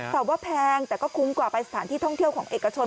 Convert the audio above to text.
สอบว่าแพงแต่ก็คุ้มกว่าไปสถานที่ท่องเที่ยวของเอกชน